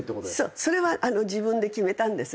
それは自分で決めたんですね